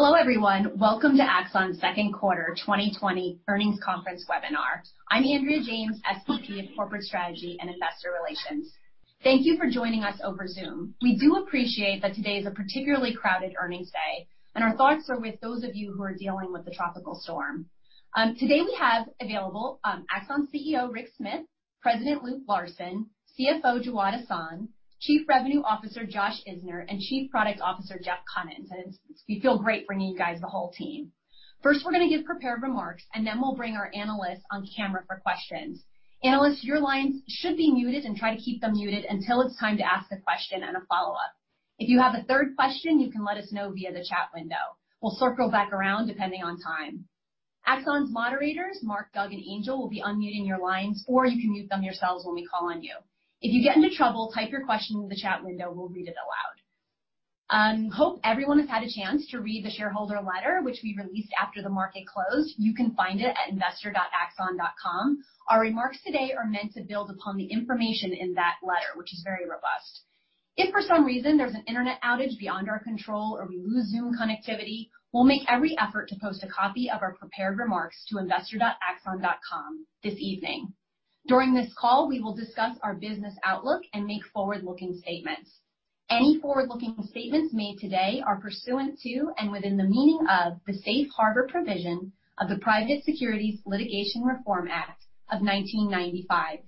Hello, everyone. Welcome to Axon's Second Quarter 2020 Earnings Conference Webinar. I'm Andrea James, SVP of Corporate Strategy and Investor Relations. Thank you for joining us over Zoom. We do appreciate that today is a particularly crowded earnings day. Our thoughts are with those of you who are dealing with the tropical storm. Today we have available Axon CEO, Rick Smith, President Luke Larson, CFO Jawad Ahsan, Chief Revenue Officer Josh Isner, and Chief Product Officer Jeff Kunins. We feel great bringing you guys the whole team. First, we're going to give prepared remarks. Then we'll bring our analysts on camera for questions. Analysts, your lines should be muted. Try to keep them muted until it's time to ask a question and a follow-up. If you have a third question, you can let us know via the chat window. We'll circle back around depending on time. Axon's moderators, Mark, Doug, and Angel, will be unmuting your lines, or you can unmute them yourselves when we call on you. If you get into trouble, type your question into the chat window, we'll read it aloud. Hope everyone has had a chance to read the shareholder letter, which we released after the market closed. You can find it at investor.axon.com. Our remarks today are meant to build upon the information in that letter, which is very robust. If for some reason there's an internet outage beyond our control or we lose Zoom connectivity, we'll make every effort to post a copy of our prepared remarks to investor.axon.com this evening. During this call, we will discuss our business outlook and make forward-looking statements. Any forward-looking statements made today are pursuant to and within the meaning of the Safe Harbor provision of the Private Securities Litigation Reform Act of 1995.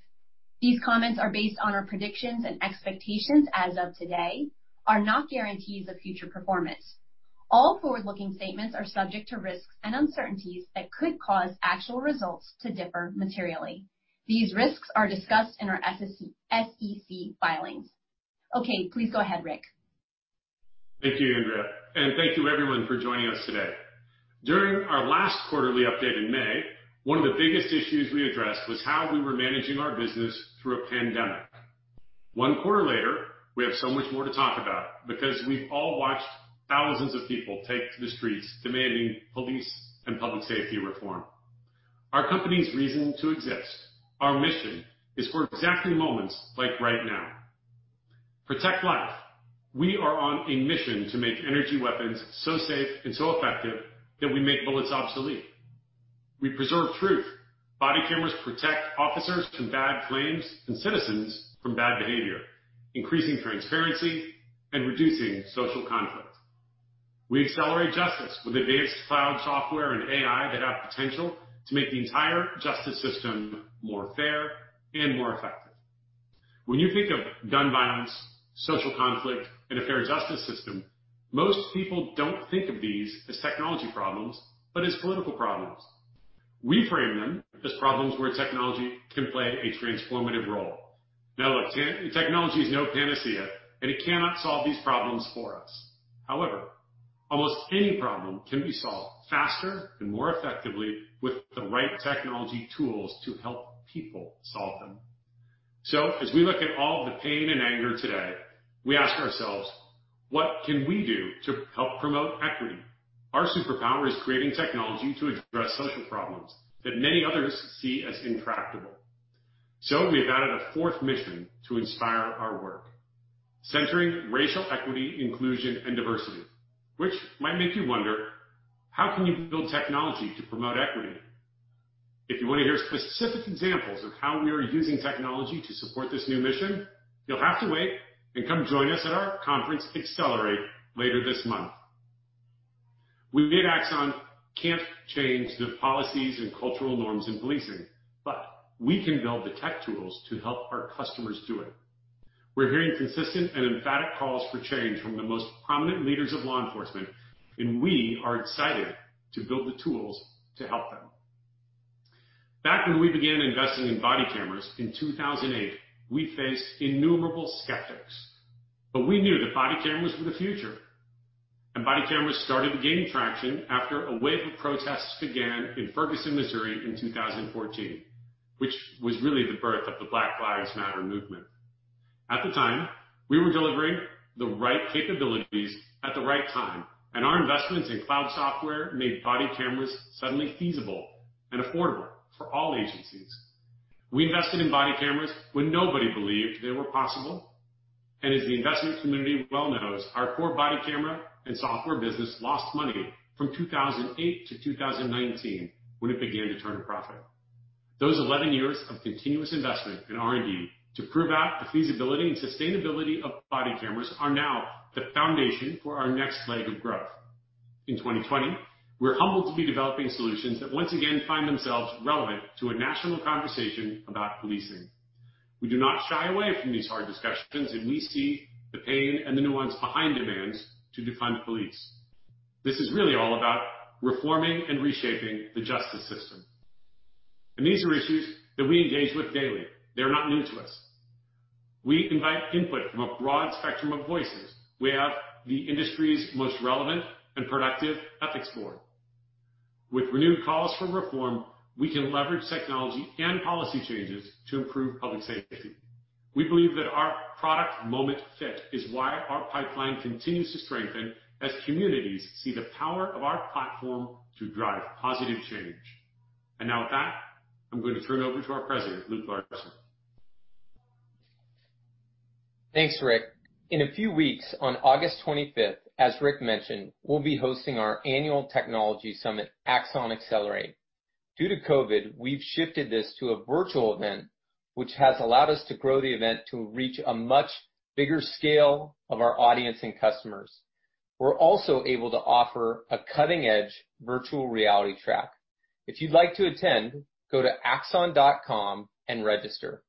These comments are based on our predictions and expectations as of today, are not guarantees of future performance. All forward-looking statements are subject to risks and uncertainties that could cause actual results to differ materially. These risks are discussed in our SEC filings. Okay, please go ahead, Rick. Thank you, Andrea, and thank you everyone for joining us today. During our last quarterly update in May, one of the biggest issues we addressed was how we were managing our business through a pandemic. One quarter later, we have so much more to talk about because we've all watched thousands of people take to the streets demanding police and public safety reform. Our company's reason to exist, our mission, is for exactly moments like right now. Protect life. We are on a mission to make energy weapons so safe and so effective that we make bullets obsolete. We preserve truth. Body cameras protect officers from bad claims and citizens from bad behavior, increasing transparency and reducing social conflict. We accelerate justice with advanced cloud software and AI that have potential to make the entire justice system more fair and more effective. When you think of gun violence, social conflict, and a fair justice system, most people don't think of these as technology problems, but as political problems. We frame them as problems where technology can play a transformative role. Now look, technology is no panacea, and it cannot solve these problems for us. However, almost any problem can be solved faster and more effectively with the right technology tools to help people solve them. As we look at all the pain and anger today, we ask ourselves, "What can we do to help promote equity?" Our superpower is creating technology to address social problems that many others see as intractable. We've added a fourth mission to inspire our work, centering racial equity, inclusion, and diversity. Which might make you wonder, how can you build technology to promote equity? If you want to hear specific examples of how we are using technology to support this new mission, you'll have to wait and come join us at our conference, Accelerate, later this month. We at Axon can't change the policies and cultural norms in policing, we can build the tech tools to help our customers do it. We're hearing consistent and emphatic calls for change from the most prominent leaders of law enforcement, we are excited to build the tools to help them. Back when we began investing in body cameras in 2008, we faced innumerable skeptics. We knew that body cameras were the future. Body cameras started gaining traction after a wave of protests began in Ferguson, Missouri in 2014, which was really the birth of the Black Lives Matter movement. At the time, we were delivering the right capabilities at the right time, and our investments in cloud software made body cameras suddenly feasible and affordable for all agencies. We invested in body cameras when nobody believed they were possible. As the investment community well knows, our core body camera and software business lost money from 2008 to 2019, when it began to turn a profit. Those 11 years of continuous investment in R&D to prove out the feasibility and sustainability of body cameras are now the foundation for our next leg of growth. In 2020, we're humbled to be developing solutions that once again find themselves relevant to a national conversation about policing. We do not shy away from these hard discussions, and we see the pain and the nuance behind demands to defund police. This is really all about reforming and reshaping the justice system. These are issues that we engage with daily. They're not new to us. We invite input from a broad spectrum of voices. We have the industry's most relevant and productive ethics board. With renewed calls for reform, we can leverage technology and policy changes to improve public safety. We believe that our product market fit is why our pipeline continues to strengthen as communities see the power of our platform to drive positive change. Now with that, I'm going to turn it over to our President, Luke Larson. Thanks, Rick. In a few weeks, on August 25th, as Rick mentioned, we'll be hosting our annual technology summit, Axon Accelerate. Due to COVID, we've shifted this to a virtual event, which has allowed us to grow the event to reach a much bigger scale of our audience and customers. We're also able to offer a cutting-edge virtual reality track. If you'd like to attend, go to axon.com and register.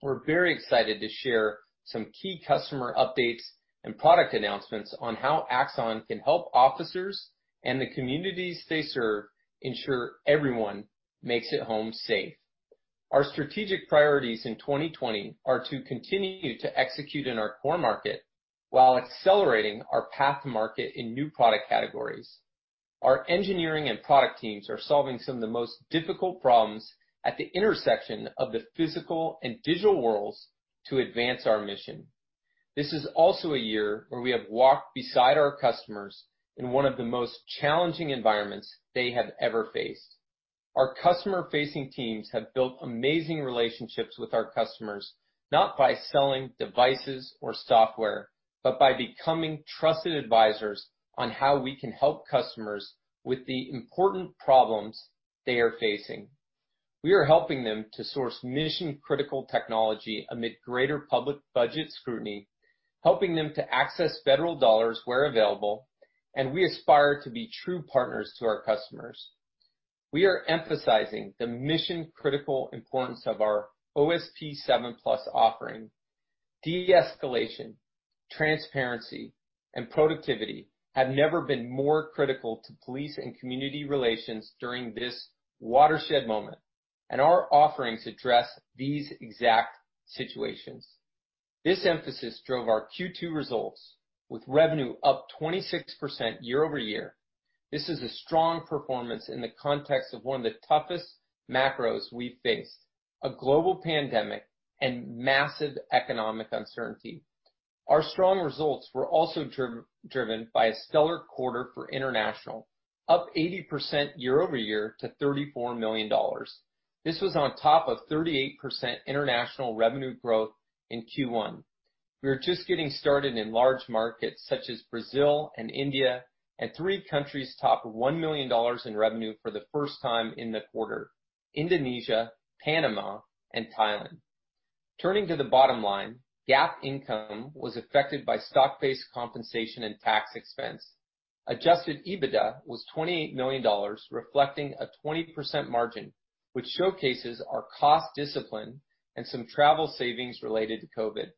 We're very excited to share some key customer updates and product announcements on how Axon can help officers and the communities they serve ensure everyone makes it home safe. Our strategic priorities in 2020 are to continue to execute in our core market while accelerating our path to market in new product categories. Our engineering and product teams are solving some of the most difficult problems at the intersection of the physical and digital worlds to advance our mission. This is also a year where we have walked beside our customers in one of the most challenging environments they have ever faced. Our customer-facing teams have built amazing relationships with our customers, not by selling devices or software, but by becoming trusted advisors on how we can help customers with the important problems they are facing. We are helping them to source mission-critical technology amid greater public budget scrutiny, helping them to access federal dollars where available, and we aspire to be true partners to our customers. We are emphasizing the mission-critical importance of our OSP 7+ offering. De-escalation, transparency, and productivity have never been more critical to police and community relations during this watershed moment, and our offerings address these exact situations. This emphasis drove our Q2 results with revenue up 26% year-over-year. This is a strong performance in the context of one of the toughest macros we've faced, a global pandemic and massive economic uncertainty. Our strong results were also driven by a stellar quarter for international, up 80% year-over-year to $34 million. This was on top of 38% international revenue growth in Q1. We are just getting started in large markets such as Brazil and India, and three countries topped $1 million in revenue for the first time in the quarter, Indonesia, Panama, and Thailand. Turning to the bottom line, GAAP income was affected by stock-based compensation and tax expense. Adjusted EBITDA was $28 million, reflecting a 20% margin, which showcases our cost discipline and some travel savings related to COVID.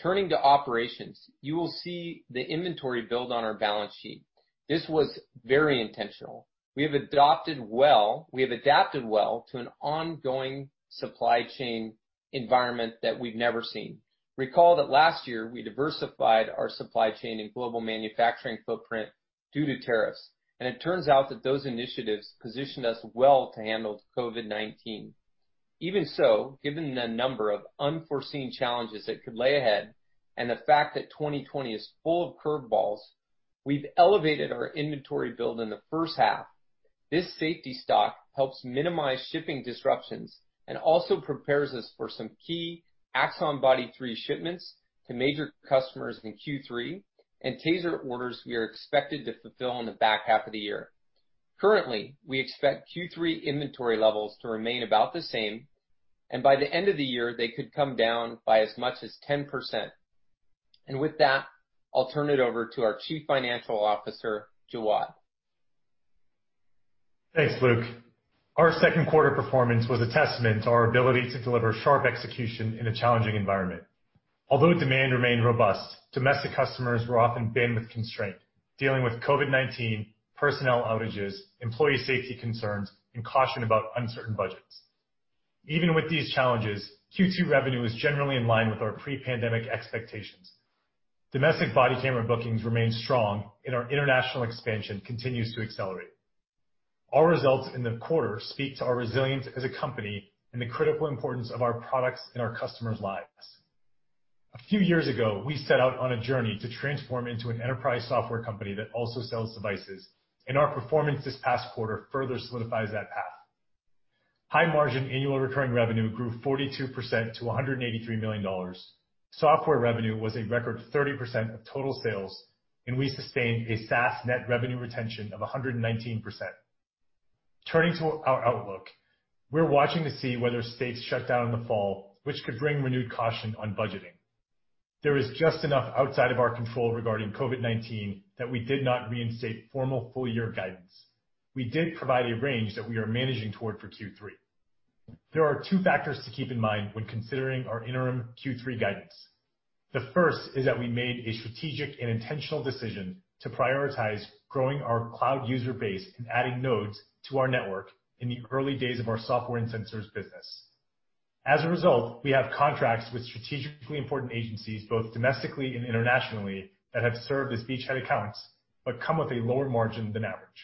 Turning to operations, you will see the inventory build on our balance sheet. This was very intentional. We have adapted well to an ongoing supply chain environment that we've never seen. Recall that last year, we diversified our supply chain and global manufacturing footprint due to tariffs, and it turns out that those initiatives positioned us well to handle COVID-19. Even so, given the number of unforeseen challenges that could lay ahead and the fact that 2020 is full of curve balls, we've elevated our inventory build in the first half. This safety stock helps minimize shipping disruptions and also prepares us for some key Axon Body three shipments to major customers in Q3 and TASER orders we are expected to fulfill in the back half of the year. Currently, we expect Q3 inventory levels to remain about the same, and by the end of the year, they could come down by as much as 10%. With that, I'll turn it over to our Chief Financial Officer, Jawad. Thanks, Luke. Our second quarter performance was a testament to our ability to deliver sharp execution in a challenging environment. Although demand remained robust, domestic customers were often bandwidth constrained, dealing with COVID-19, personnel outages, employee safety concerns, and caution about uncertain budgets. Even with these challenges, Q2 revenue was generally in line with our pre-pandemic expectations. Domestic body camera bookings remain strong, and our international expansion continues to accelerate. Our results in the quarter speak to our resilience as a company and the critical importance of our products in our customers' lives. A few years ago, we set out on a journey to transform into an enterprise software company that also sells devices, and our performance this past quarter further solidifies that path. High margin annual recurring revenue grew 42% to $183 million. Software revenue was a record 30% of total sales. We sustained a SaaS net revenue retention of 119%. Turning to our outlook, we're watching to see whether states shut down in the fall, which could bring renewed caution on budgeting. There is just enough outside of our control regarding COVID-19 that we did not reinstate formal full-year guidance. We did provide a range that we are managing toward for Q3. There are two factors to keep in mind when considering our interim Q3 guidance. The first is that we made a strategic and intentional decision to prioritize growing our cloud user base and adding nodes to our network in the early days of our software and sensors business. As a result, we have contracts with strategically important agencies, both domestically and internationally, that have served as beachhead accounts but come with a lower margin than average.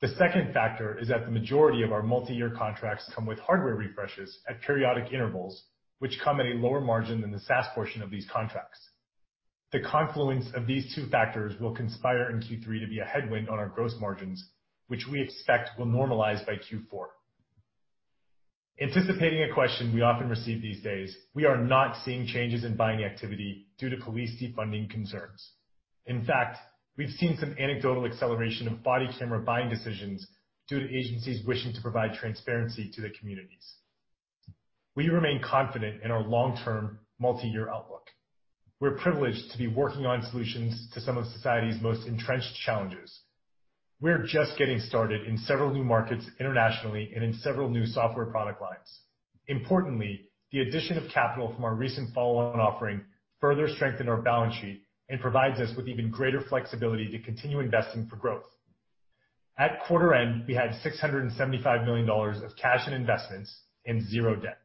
The second factor is that the majority of our multi-year contracts come with hardware refreshes at periodic intervals, which come at a lower margin than the SaaS portion of these contracts. The confluence of these two factors will conspire in Q3 to be a headwind on our gross margins, which we expect will normalize by Q4. Anticipating a question we often receive these days, we are not seeing changes in buying activity due to police defunding concerns. In fact, we've seen some anecdotal acceleration of body camera buying decisions due to agencies wishing to provide transparency to their communities. We remain confident in our long-term multi-year outlook. We're privileged to be working on solutions to some of society's most entrenched challenges. We're just getting started in several new markets internationally and in several new software product lines. Importantly, the addition of capital from our recent follow-on offering further strengthened our balance sheet and provides us with even greater flexibility to continue investing for growth. At quarter end, we had $675 million of cash and investments and zero debt.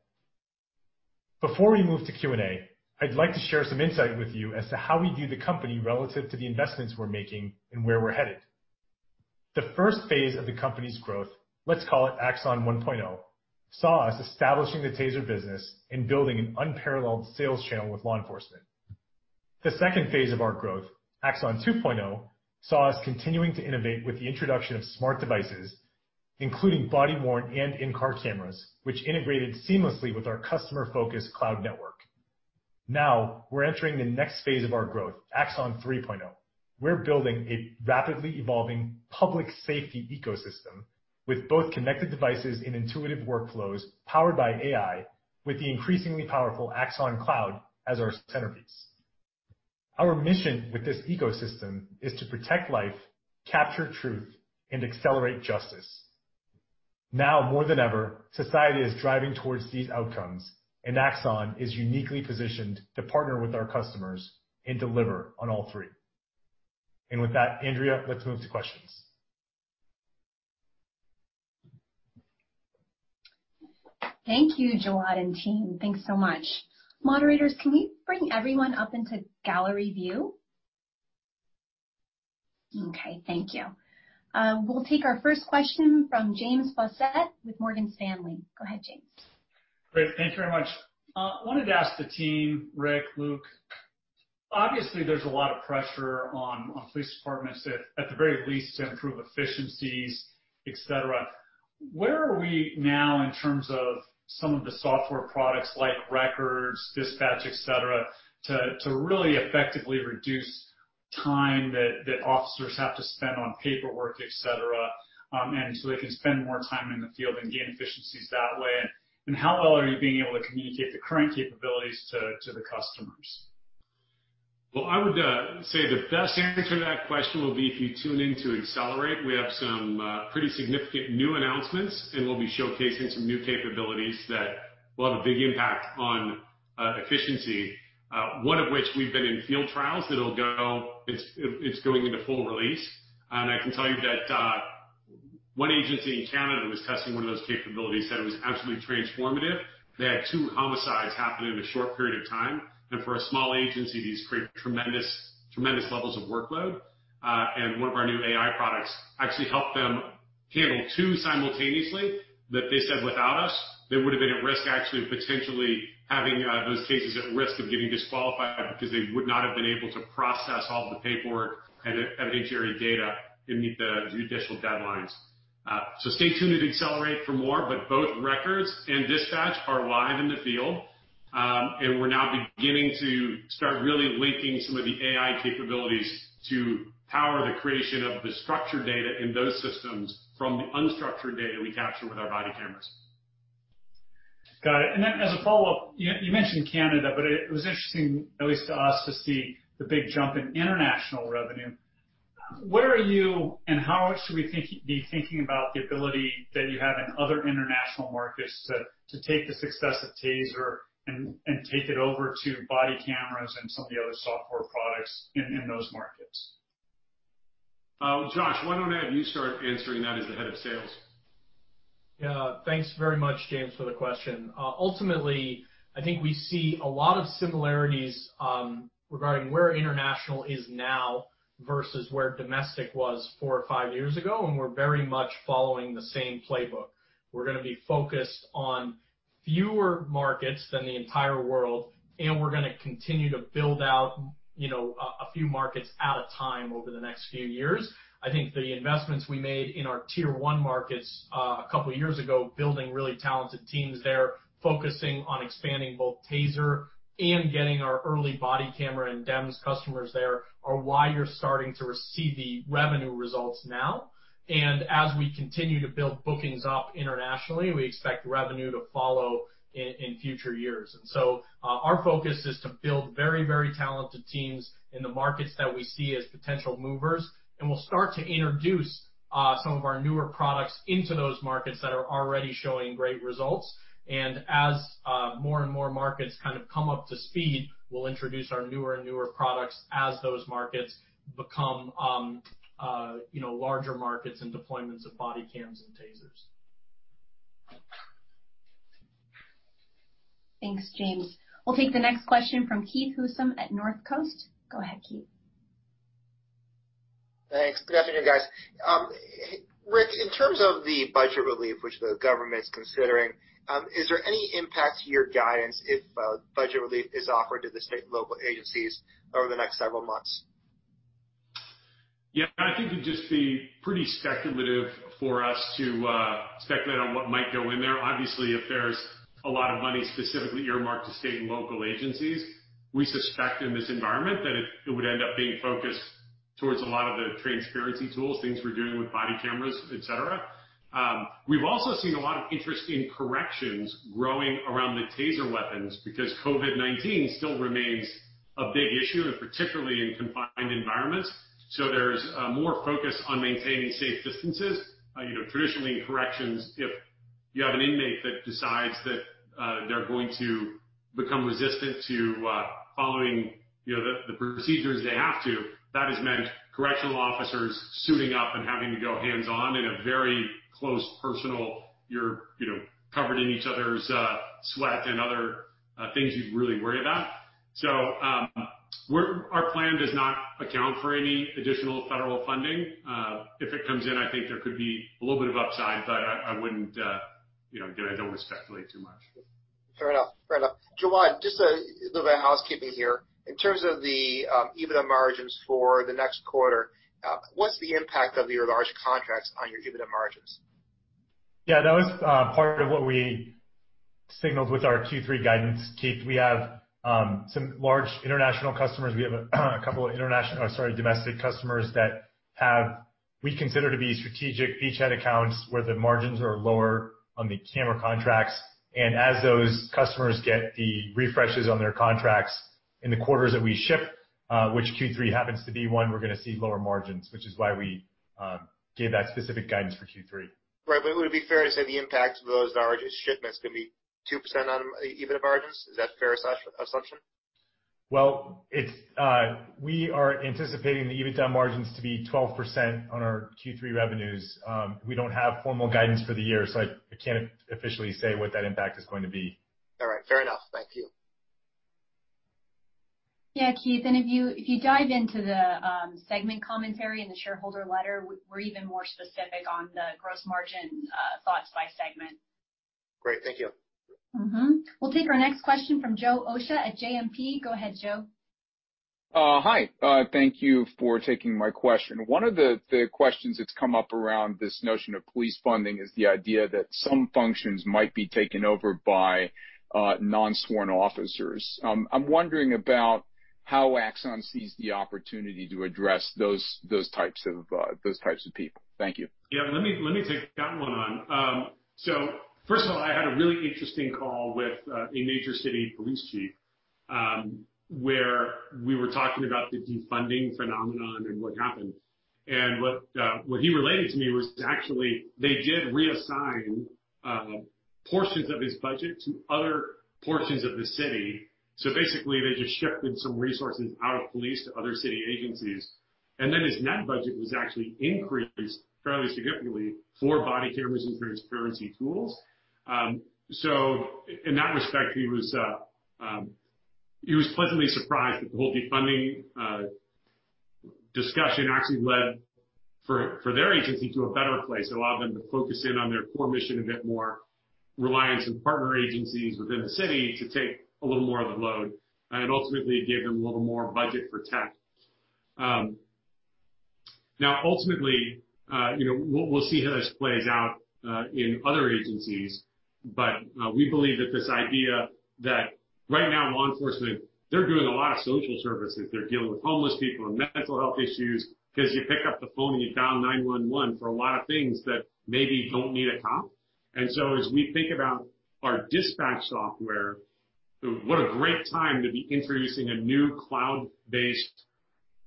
Before we move to Q&A, I'd like to share some insight with you as to how we view the company relative to the investments we're making and where we're headed. The first phase of the company's growth, let's call it Axon 1.0, saw us establishing the TASER business and building an unparalleled sales channel with law enforcement. The second phase of our growth, Axon 2.0, saw us continuing to innovate with the introduction of smart devices, including body-worn and in-car cameras, which integrated seamlessly with our customer-focused cloud network. Now we're entering the next phase of our growth, Axon 3.0. We're building a rapidly evolving public safety ecosystem with both connected devices and intuitive workflows powered by AI with the increasingly powerful Axon Cloud as our centerpiece. Our mission with this ecosystem is to protect life, capture truth, and accelerate justice. Now more than ever, society is driving towards these outcomes, Axon is uniquely positioned to partner with our customers and deliver on all three. With that, Andrea, let's move to questions. Thank you, Jawad and team. Thanks so much. Moderators, can we bring everyone up into gallery view? Okay, thank you. We'll take our first question from James Faucette with Morgan Stanley. Go ahead, James. Great. Thank you very much. I wanted to ask the team, Rick, Luke, obviously there's a lot of pressure on police departments, at the very least, to improve efficiencies, et cetera. Where are we now in terms of some of the software products like Records, Dispatch, et cetera, to really effectively reduce time that officers have to spend on paperwork, et cetera, and so they can spend more time in the field and gain efficiencies that way? How well are you being able to communicate the current capabilities to the customers? Well, I would say the best answer to that question will be if you tune in to Axon Accelerate. We have some pretty significant new announcements, we'll be showcasing some new capabilities that will have a big impact on efficiency. One of which we've been in field trials. It's going into full release. I can tell you that one agency in Canada was testing one of those capabilities, said it was absolutely transformative. They had two homicides happen in a short period of time, and for a small agency, these create tremendous levels of workload. One of our new AI products actually helped them handle two simultaneously that they said without us, they would have been at risk, actually, potentially having those cases at risk of getting disqualified because they would not have been able to process all the paperwork and evidentiary data and meet the judicial deadlines. Stay tuned at Accelerate for more, but both Records and Dispatch are live in the field. We're now beginning to start really linking some of the AI capabilities to power the creation of the structured data in those systems from the unstructured data we capture with our body cameras. Got it. As a follow-up, you mentioned Canada, but it was interesting, at least to us, to see the big jump in international revenue. Where are you and how much should we be thinking about the ability that you have in other international markets to take the success of TASER and take it over to body cameras and some of the other software products in those markets? Josh, why don't I have you start answering that as the Head of Sales? Yeah. Thanks very much, James, for the question. Ultimately, I think we see a lot of similarities regarding where international is now versus where domestic was four or five years ago, and we're very much following the same playbook. We're going to be focused on fewer markets than the entire world, and we're going to continue to build out a few markets at a time over the next few years. I think the investments we made in our tier 1 markets a couple of years ago, building really talented teams there, focusing on expanding both TASER and getting our early body camera and DEMS customers there are why you're starting to receive the revenue results now. As we continue to build bookings up internationally, we expect revenue to follow in future years. Our focus is to build very talented teams in the markets that we see as potential movers, and we'll start to introduce some of our newer products into those markets that are already showing great results. As more and more markets kind of come up to speed, we'll introduce our newer and newer products as those markets become larger markets and deployments of body cams and TASERs. Thanks, James. We'll take the next question from Keith Housum at Northcoast Research. Go ahead, Keith. Thanks. Good afternoon, guys. Rick, in terms of the budget relief which the government's considering, is there any impact to your guidance if budget relief is offered to the state and local agencies over the next several months? Yeah, I think it'd just be pretty speculative for us to speculate on what might go in there. Obviously, if there's a lot of money specifically earmarked to state and local agencies, we suspect in this environment that it would end up being focused towards a lot of the transparency tools, things we're doing with body cameras, et cetera. We've also seen a lot of interest in corrections growing around the TASER weapons because COVID-19 still remains a big issue, and particularly in confined environments. There's more focus on maintaining safe distances. Traditionally, in corrections, if you have an inmate that decides that they're going to become resistant to following the procedures they have to, that has meant correctional officers suiting up and having to go hands-on. You're covered in each other's sweat and other things you'd really worry about. Our plan does not account for any additional federal funding. If it comes in, I think there could be a little bit of upside, but I wouldn't speculate too much. Fair enough. Jawad, just a little bit of housekeeping here. In terms of the EBITDA margins for the next quarter, what's the impact of your large contracts on your EBITDA margins? That was part of what we signaled with our Q3 guidance, Keith. We have some large international customers. We have a couple of domestic customers that have, we consider to be strategic beachhead accounts, where the margins are lower on the camera contracts. As those customers get the refreshes on their contracts in the quarters that we ship, which Q3 happens to be one, we're going to see lower margins, which is why we gave that specific guidance for Q3. Right. Would it be fair to say the impact of those large shipments could be 2% on EBITDA margins? Is that a fair assumption? We are anticipating the EBITDA margins to be 12% on our Q3 revenues. We don't have formal guidance for the year, so I can't officially say what that impact is going to be. All right. Fair enough. Thank you. Yeah, Keith, if you dive into the segment commentary in the shareholder letter, we're even more specific on the gross margin thoughts by segment. Great. Thank you. We'll take our next question from Joe Osha at JMP. Go ahead, Joe. Hi. Thank you for taking my question. One of the questions that's come up around this notion of police funding is the idea that some functions might be taken over by non-sworn officers. I'm wondering about how Axon sees the opportunity to address those types of people. Thank you. Yeah, let me take that one on. First of all, I had a really interesting call with a major city police chief, where we were talking about the defunding phenomenon and what happened. What he relayed to me was actually, they did reassign portions of his budget to other portions of the city. Basically, they just shifted some resources out of police to other city agencies. His net budget was actually increased fairly significantly for body cameras and transparency tools. In that respect, he was pleasantly surprised that the whole defunding discussion actually led for their agency to a better place. It allowed them to focus in on their core mission a bit more, reliance on partner agencies within the city to take a little more of the load, and it ultimately gave him a little more budget for tech. Ultimately, we'll see how this plays out in other agencies. We believe that this idea that right now law enforcement, they're doing a lot of social services. They're dealing with homeless people and mental health issues because you pick up the phone and you dial 911 for a lot of things that maybe don't need a cop. As we think about our dispatch software, what a great time to be introducing a new cloud-based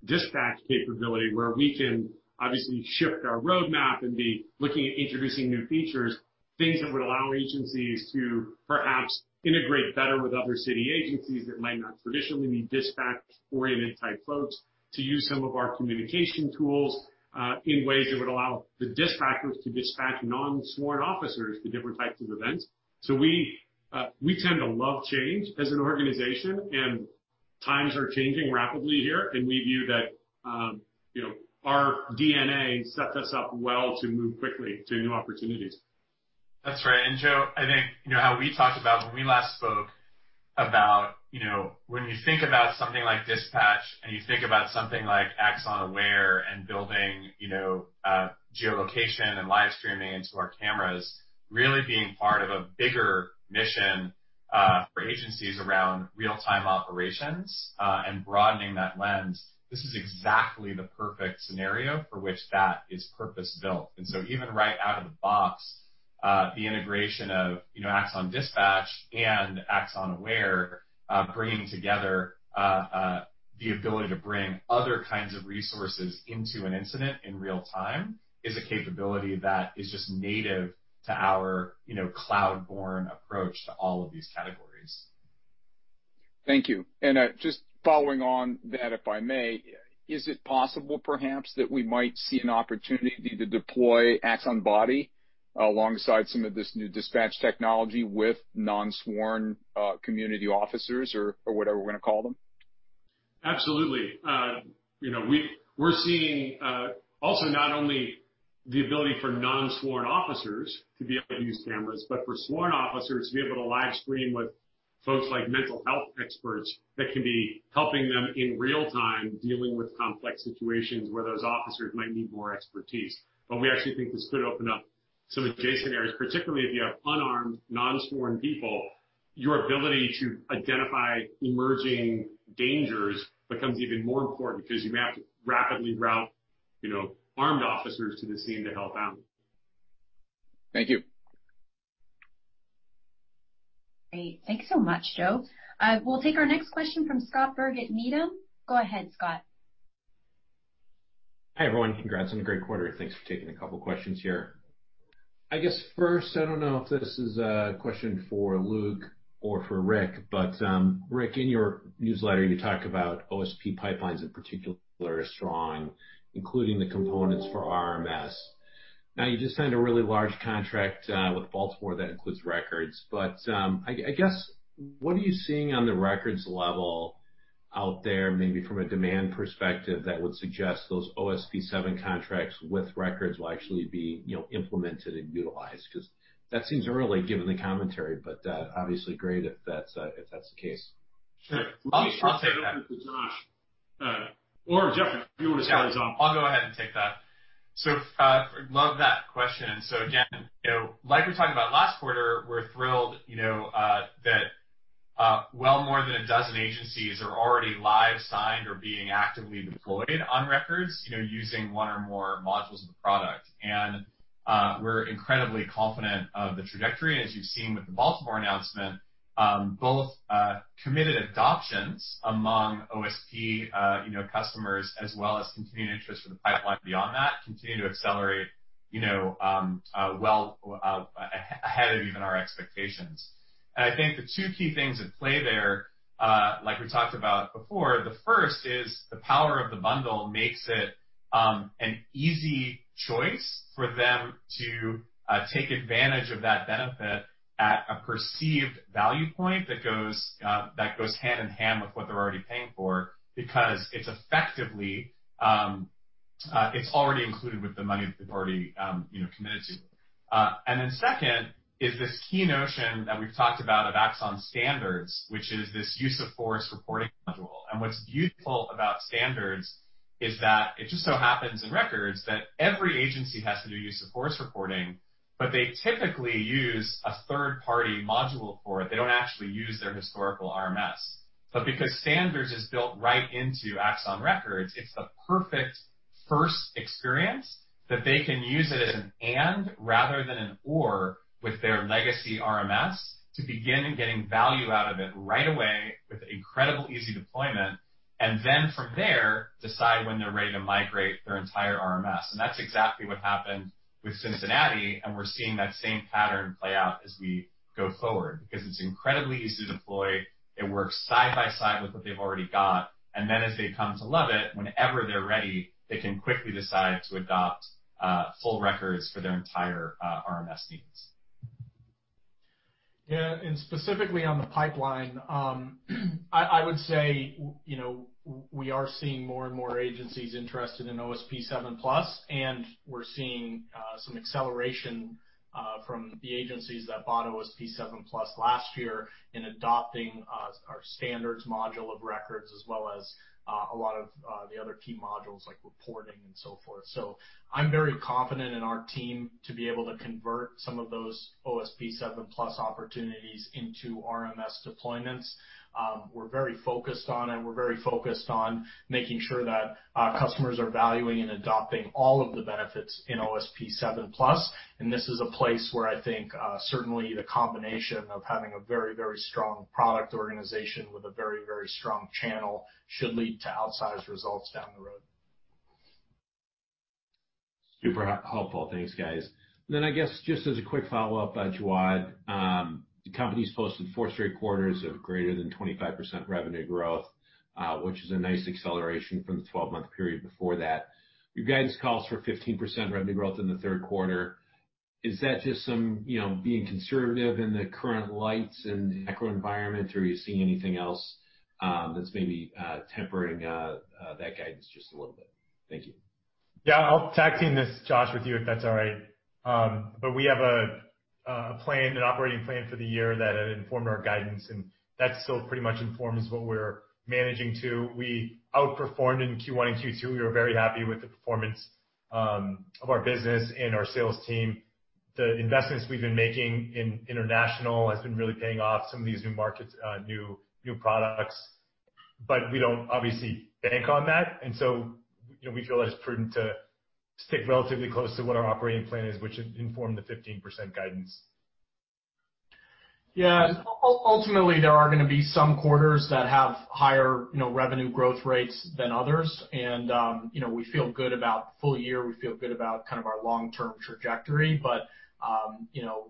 dispatch capability where we can obviously shift our roadmap and be looking at introducing new features, things that would allow agencies to perhaps integrate better with other city agencies that might not traditionally be dispatch-oriented type folks, to use some of our communication tools in ways that would allow the dispatchers to dispatch non-sworn officers to different types of events. We tend to love change as an organization, and times are changing rapidly here, and we view that our DNA sets us up well to move quickly to new opportunities. That's right. Joe, I think how we talked about when we last spoke about when you think about something like Dispatch and you think about something like Axon Aware and building geolocation and live streaming into our cameras, really being part of a bigger mission for agencies around real-time operations and broadening that lens. This is exactly the perfect scenario for which that is purpose-built. Even right out of the box, the integration of Axon Dispatch and Axon Aware bringing together the ability to bring other kinds of resources into an incident in real-time is a capability that is just native to our cloud-born approach to all of these categories. Thank you. Just following on that, if I may, is it possible perhaps that we might see an opportunity to deploy Axon Body alongside some of this new dispatch technology with non-sworn community officers or whatever we're going to call them? Absolutely. We're seeing also not only the ability for non-sworn officers to be able to use cameras, but for sworn officers to be able to live stream with folks like mental health experts that can be helping them in real time, dealing with complex situations where those officers might need more expertise. We actually think this could open up some adjacent areas, particularly if you have unarmed, non-sworn people, your ability to identify emerging dangers becomes even more important because you may have to rapidly route armed officers to the scene to help out. Thank you. Great. Thank you so much, Joe. We'll take our next question from Scott Berg at Needham. Go ahead, Scott. Hi, everyone. Congrats on a great quarter, thanks for taking a couple questions here. I guess first, I don't know if this is a question for Luke or for Rick, in your newsletter, you talk about OSP pipelines in particular are strong, including the components for RMS. Now, you just signed a really large contract with Baltimore that includes records, I guess, what are you seeing on the records level out there, maybe from a demand perspective that would suggest those OSP 7 contracts with records will actually be implemented and utilized? That seems early, given the commentary, obviously great if that's the case. Sure. I'll take that. Jeff, if you want to start us off. Yeah, I'll go ahead and take that. Love that question. Again, like we talked about last quarter, we're thrilled that well more than a dozen agencies are already live signed or being actively deployed on Records, using one or more modules of the product. We're incredibly confident of the trajectory. As you've seen with the Baltimore announcement, both committed adoptions among OSP customers as well as continued interest for the pipeline beyond that continue to accelerate well ahead of even our expectations. I think the two key things at play there, like we talked about before, the first is the power of the bundle makes it an easy choice for them to take advantage of that benefit at a perceived value point that goes hand in hand with what they're already paying for, because it's already included with the money that they've already committed to. Then second is this key notion that we've talked about of Axon Standards, which is this use of force reporting module. What's beautiful about Standards is that it just so happens in records that every agency has to do use of force reporting, but they typically use a third-party module for it. They don't actually use their historical RMS. Because Standards is built right into Axon Records, it's the perfect first experience that they can use it as an and rather than an or with their legacy RMS to begin getting value out of it right away with incredible easy deployment, and then from there, decide when they're ready to migrate their entire RMS. That's exactly what happened with Cincinnati, and we're seeing that same pattern play out as we go forward, because it's incredibly easy to deploy, it works side by side with what they've already got, and then as they come to love it, whenever they're ready, they can quickly decide to adopt full records for their entire RMS needs. Specifically on the pipeline, I would say we are seeing more and more agencies interested in OSP 7+, and we're seeing some acceleration from the agencies that bought OSP 7+ last year in adopting our Standards module of Records, as well as a lot of the other key modules like reporting and so forth. I'm very confident in our team to be able to convert some of those OSP 7+ opportunities into RMS deployments. We're very focused on it. We're very focused on making sure that our customers are valuing and adopting all of the benefits in OSP 7+. This is a place where I think certainly the combination of having a very strong product organization with a very strong channel should lead to outsized results down the road. Super helpful. Thanks, guys. I guess, just as a quick follow-up, Jawad. The company's posted four straight quarters of greater than 25% revenue growth, which is a nice acceleration from the 12-month period before that. Your guidance calls for 15% revenue growth in the third quarter. Is that just being conservative in the current climate and macro environment, or are you seeing anything else that's maybe tempering that guidance just a little bit? Thank you. Yeah. I'll tag team this, Josh, with you, if that's all right. We have an operating plan for the year that had informed our guidance, and that still pretty much informs what we're managing to. We outperformed in Q1 and Q2. We were very happy with the performance of our business and our sales team. The investments we've been making in international has been really paying off, some of these new markets, new products. We don't obviously bank on that. We feel that it's prudent to stick relatively close to what our operating plan is, which informed the 15% guidance. Ultimately, there are going to be some quarters that have higher revenue growth rates than others. We feel good about full year, we feel good about kind of our long-term trajectory.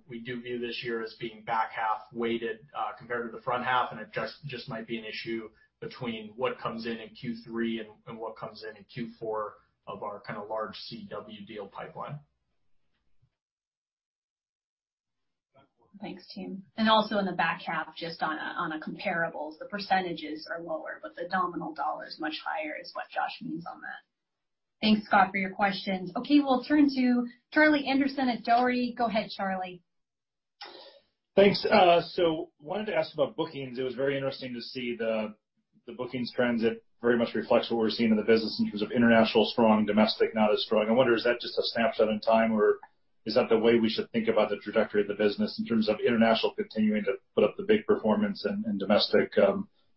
We do view this year as being back half weighted compared to the front half, and it just might be an issue between what comes in in Q3 and what comes in in Q4 of our kind of large CW deal pipeline. Thanks, team. Also in the back half, just on a comparables, the % are lower, but the nominal dollars is much higher, is what Josh means on that. Thanks, Scott, for your questions. Okay, we'll turn to Charlie Anderson at Dougherty. Go ahead, Charlie. Thanks. Wanted to ask about bookings. It was very interesting to see the bookings trends that very much reflects what we're seeing in the business in terms of international strong, domestic not as strong. I wonder, is that just a snapshot in time, or is that the way we should think about the trajectory of the business in terms of international continuing to put up the big performance and domestic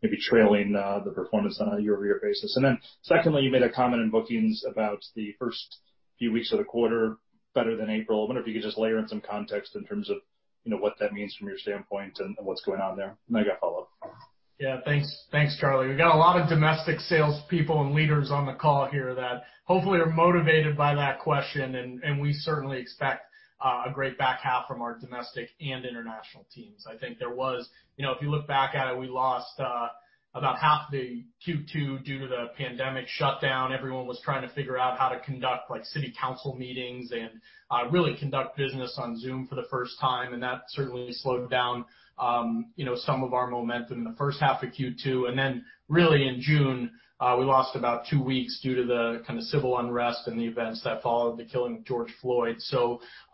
maybe trailing the performance on a year-over-year basis? Secondly, you made a comment in bookings about the first few weeks of the quarter better than April. I wonder if you could just layer in some context in terms of what that means from your standpoint and what's going on there. I've got follow-up. Yeah. Thanks, Charlie. We've got a lot of domestic salespeople and leaders on the call here that hopefully are motivated by that question, and we certainly expect a great back half from our domestic and international teams. I think there was, if you look back at it, we lost about half the Q2 due to the pandemic shutdown. Everyone was trying to figure out how to conduct city council meetings and really conduct business on Zoom for the first time, and that certainly slowed down some of our momentum in the first half of Q2. Really in June, we lost about two weeks due to the kind of civil unrest and the events that followed the killing of George Floyd.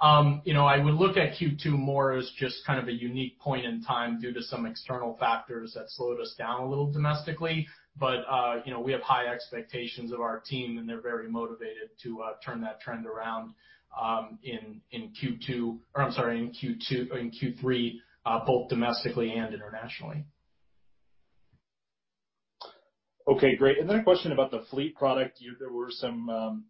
I would look at Q2 more as just kind of a unique point in time due to some external factors that slowed us down a little domestically. We have high expectations of our team, and they're very motivated to turn that trend around in Q3, both domestically and internationally. Okay, great. Then a question about the Fleet product. There were some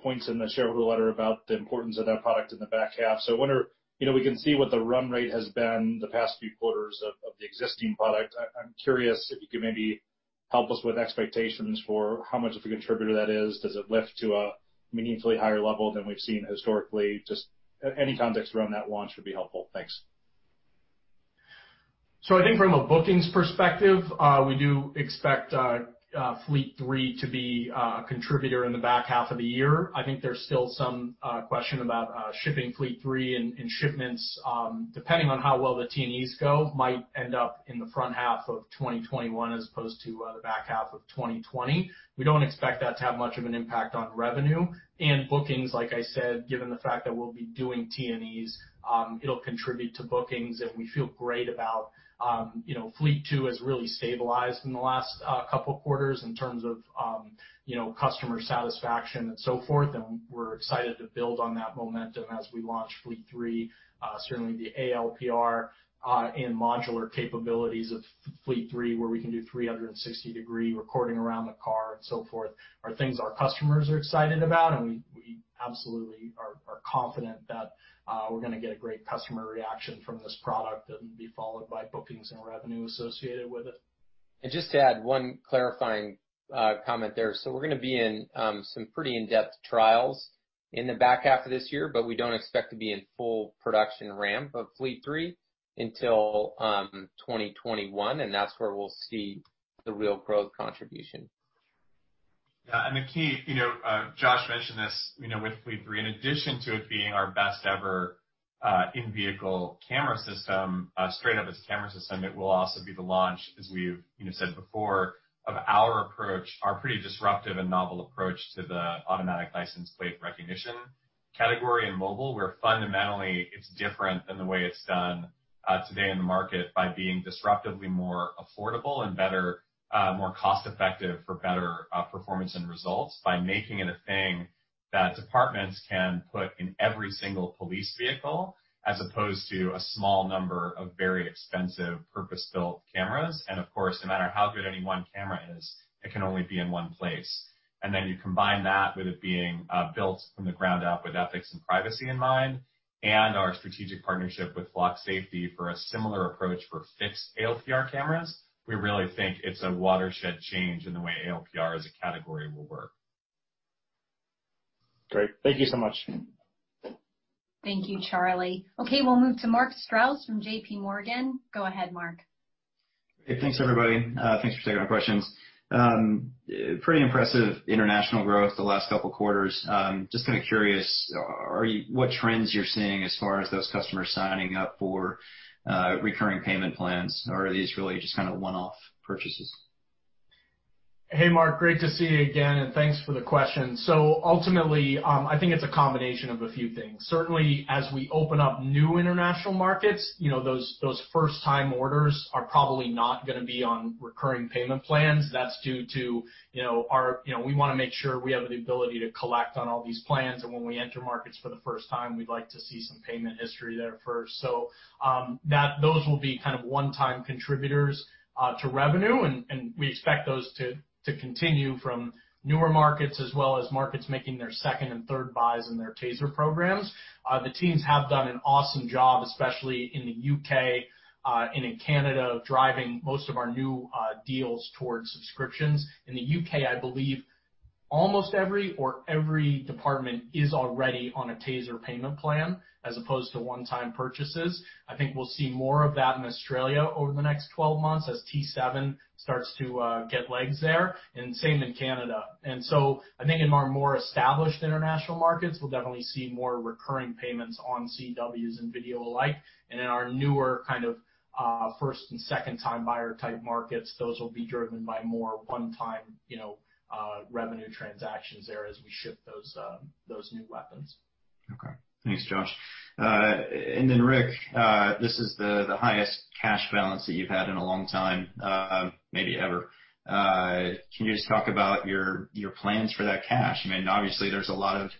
points in the shareholder letter about the importance of that product in the back half. I wonder, we can see what the run rate has been the past few quarters of the existing product. I'm curious if you could maybe help us with expectations for how much of a contributor that is. Does it lift to a meaningfully higher level than we've seen historically? Any context around that launch would be helpful. Thanks. I think from a bookings perspective, we do expect Fleet 3 to be a contributor in the back half of the year. I think there's still some question about shipping Fleet 3 and shipments, depending on how well the T&Es go, might end up in the front half of 2021 as opposed to the back half of 2020. We don't expect that to have much of an impact on revenue and bookings, like I said, given the fact that we'll be doing T&Es, it'll contribute to bookings, and we feel great about Fleet 2 has really stabilized in the last couple of quarters in terms of customer satisfaction and so forth, and we're excited to build on that momentum as we launch Fleet 3. Certainly, the ALPR and modular capabilities of Fleet 3, where we can do 360-degree recording around the car and so forth, are things our customers are excited about, and we absolutely are confident that we're going to get a great customer reaction from this product that will be followed by bookings and revenue associated with it. Just to add one clarifying comment there. We're going to be in some pretty in-depth trials in the back half of this year, but we don't expect to be in full production ramp of Fleet 3 until 2021, and that's where we'll see the real growth contribution. Yeah. The key, Josh mentioned this with Fleet 3, in addition to it being our best ever in-vehicle camera system, straight up as a camera system, it will also be the launch, as we've said before, of our approach, our pretty disruptive and novel approach to the automatic license plate recognition category in mobile, where fundamentally it's different than the way it's done today in the market by being disruptively more affordable and more cost-effective for better performance and results by making it a thing that departments can put in every single police vehicle, as opposed to a small number of very expensive purpose-built cameras. Of course, no matter how good any one camera is, it can only be in one place. You combine that with it being built from the ground up with ethics and privacy in mind and our strategic partnership with Flock Safety for a similar approach for fixed ALPR cameras. We really think it's a watershed change in the way ALPR as a category will work. Great. Thank you so much. Thank you, Charlie. Okay, we'll move to Mark Strouse from JPMorgan. Go ahead, Mark. Hey, thanks, everybody. Thanks for taking my questions. Pretty impressive international growth the last couple of quarters. Just kind of curious what trends you're seeing as far as those customers signing up for recurring payment plans, or are these really just kind of one-off purchases? Hey, Mark, great to see you again. Thanks for the question. Ultimately, I think it's a combination of a few things. Certainly, as we open up new international markets, those first-time orders are probably not going to be on recurring payment plans. That's due to, we want to make sure we have the ability to collect on all these plans, when we enter markets for the first time, we'd like to see some payment history there first. Those will be kind of one-time contributors to revenue, we expect those to continue from newer markets as well as markets making their second and third buys in their TASER programs. The teams have done an awesome job, especially in the U.K. and in Canada, driving most of our new deals towards subscriptions. In the U.K., I believe almost every or every department is already on a TASER payment plan as opposed to one time purchases. I think we'll see more of that in Australia over the next 12 months as T7 starts to get legs there, and same in Canada. I think in our more established international markets, we'll definitely see more recurring payments on CWs and video alike. In our newer first and second-time buyer type markets, those will be driven by more one-time revenue transactions there as we ship those new weapons. Okay. Thanks, Josh. Rick, this is the highest cash balance that you've had in a long time, maybe ever. Can you just talk about your plans for that cash? Obviously, there's a lot of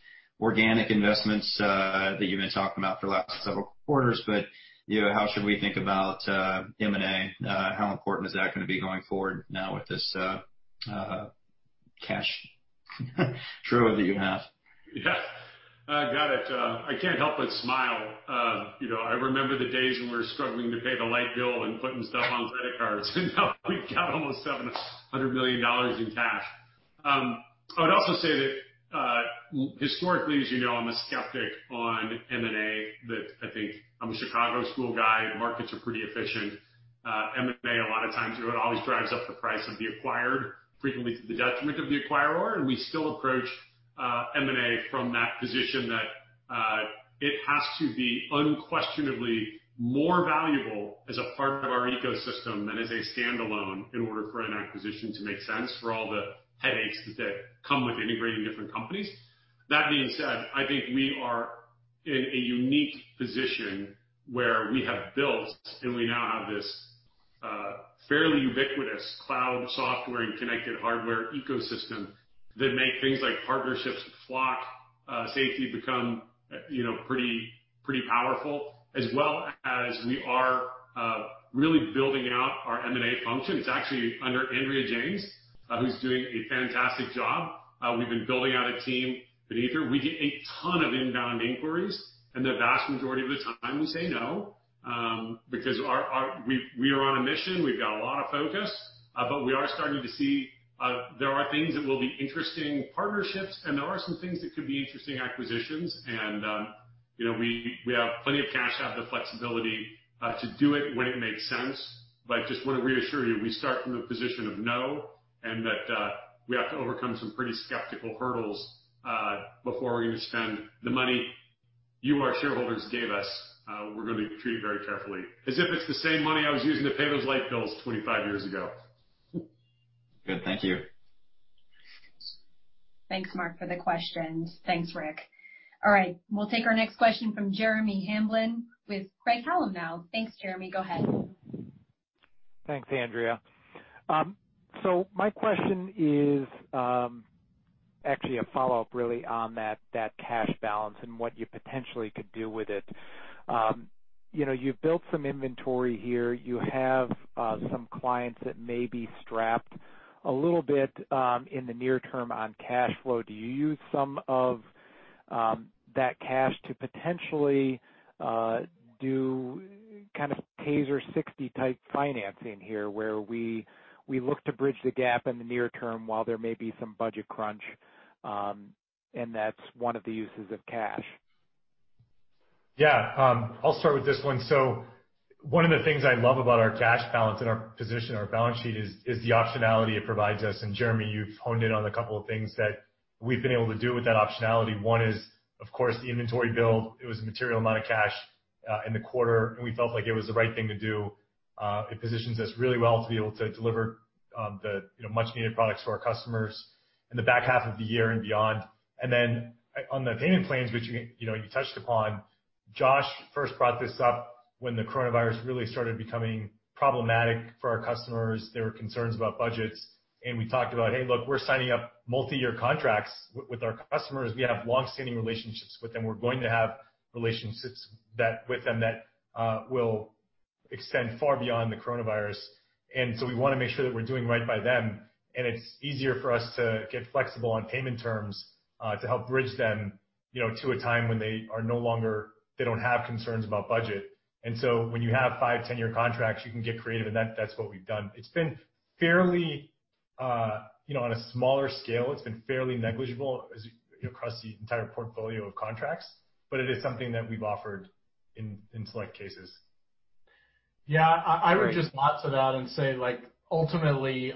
organic investments that you've been talking about for the last several quarters. How should we think about M&A? How important is that going to be going forward now with this cash trove that you have? Yeah. Got it. I can't help but smile. I remember the days when we were struggling to pay the light bill and putting stuff on credit cards, and now we've got almost $700 million in cash. I would also say that, historically, as you know, I'm a skeptic on M&A. I'm a Chicago school guy. Markets are pretty efficient. M&A, a lot of times, it always drives up the price of the acquired, frequently to the detriment of the acquirer. We still approach M&A from that position that it has to be unquestionably more valuable as a part of our ecosystem than as a standalone in order for an acquisition to make sense for all the headaches that come with integrating different companies. That being said, I think we are in a unique position where we have built, and we now have this fairly ubiquitous cloud software and connected hardware ecosystem that make things like partnerships with Flock Safety become pretty powerful as well as we are really building out our M&A function. It's actually under Andrea James, who's doing a fantastic job. We've been building out a team beneath her. We get a ton of inbound inquiries, and the vast majority of the time we say no, because we are on a mission. We've got a lot of focus. We are starting to see there are things that will be interesting partnerships, and there are some things that could be interesting acquisitions. We have plenty of cash, have the flexibility to do it when it makes sense. I just want to reassure you, we start from the position of no, and that we have to overcome some pretty skeptical hurdles, before we're going to spend the money you, our shareholders, gave us. We're going to treat it very carefully, as if it's the same money I was using to pay those light bills 25 years ago. Good. Thank you. Thanks, Mark, for the questions. Thanks, Rick. All right. We'll take our next question from Jeremy Hamblin with Craig-Hallum now. Thanks, Jeremy. Go ahead. Thanks, Andrea. My question is actually a follow-up, really, on that cash balance and what you potentially could do with it. You've built some inventory here. You have some clients that may be strapped a little bit in the near term on cash flow. Do you use some of that cash to potentially do kind of TASER 60 type financing here, where we look to bridge the gap in the near term while there may be some budget crunch, and that's one of the uses of cash? I'll start with this one. One of the things I love about our cash balance and our position on our balance sheet is the optionality it provides us. Jeremy, you've honed in on a couple of things that we've been able to do with that optionality. One is, of course, the inventory build. It was a material amount of cash in the quarter, and we felt like it was the right thing to do. It positions us really well to be able to deliver the much needed products to our customers in the back half of the year and beyond. Then on the payment plans, which you touched upon, Josh first brought this up when the coronavirus really started becoming problematic for our customers. There were concerns about budgets, and we talked about, "Hey, look, we're signing up multi-year contracts with our customers. We have longstanding relationships with them. We're going to have relationships with them that will extend far beyond the coronavirus. We want to make sure that we're doing right by them. It's easier for us to get flexible on payment terms, to help bridge them to a time when they don't have concerns about budget. When you have 5, 10-year contracts, you can get creative, and that's what we've done. On a smaller scale, it's been fairly negligible across the entire portfolio of contracts, but it is something that we've offered in select cases. Yeah. I would just nod to that and say, ultimately,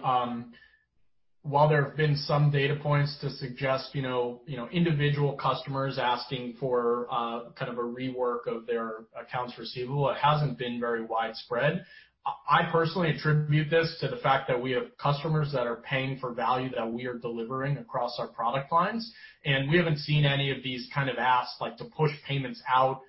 while there have been some data points to suggest individual customers asking for a rework of their accounts receivable, it hasn't been very widespread. I personally attribute this to the fact that we have customers that are paying for value that we are delivering across our product lines, and we haven't seen any of these kind of asks, like to push payments out